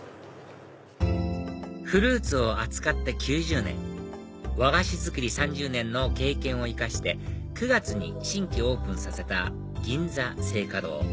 フルーツを扱って９０年和菓子作り３０年の経験を生かして９月に新規オープンさせた銀座青果堂